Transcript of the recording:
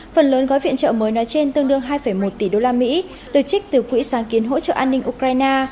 phần lớn gói viện trợ mới nói trên tương đương hai một tỷ đô la mỹ được trích từ quỹ sáng kiến hỗ trợ an ninh ukraine